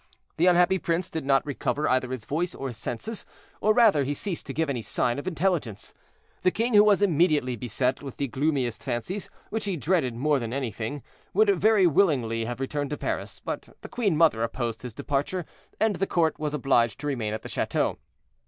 The unhappy prince did not recover either his voice or his senses, or rather, he ceased to give any sign of intelligence. The king, who was immediately beset with the gloomiest fancies, which he dreaded more than anything, would very willingly have returned to Paris; but the queen mother opposed his departure, and the court was obliged to remain at the chateau.